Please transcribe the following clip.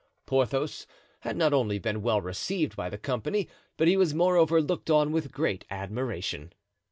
Porthos had not only been well received by the company, but he was moreover looked on with great admiration.